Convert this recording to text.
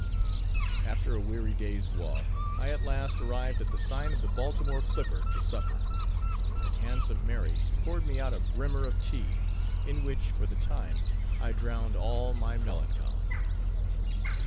After a weary day's walk, I at last arrived at the sign of the Baltimore Clipper to supper; and Handsome Mary poured me out a brimmer of tea, in which, for the time, I drowned all my melancholy.